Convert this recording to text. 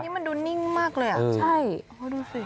นี่มันดูนิ่งมากเลยอ่ะใช่โอ้ดูสิ